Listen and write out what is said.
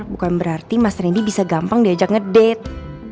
bukan berarti mas rendy bisa gampang diajak ngedate